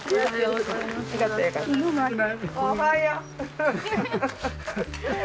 おはよう。